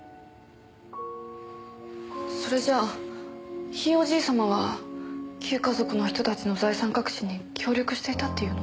それじゃあひいおじい様は旧華族の人たちの財産隠しに協力していたっていうの？